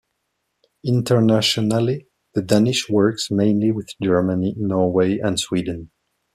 Internationally the Danish works mainly with Germany, Norway and Sweden.